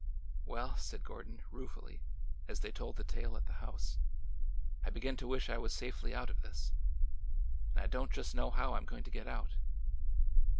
'' Well," said Gordon, ruefully, as they told the tale at the house, '' I begin to wish I was safely out of this ! And I don't just know how I 'm going to get out."